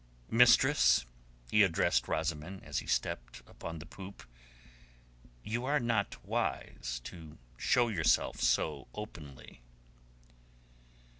"Mistress," he addressed Rosamund as he stepped upon the poop. "You are not wise to show yourself so openly."